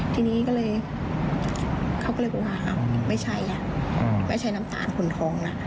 ทีนี้เขาก็เลยบอกว่าไม่ใช่ไม่ใช่น้ำตาลคนท้องนะ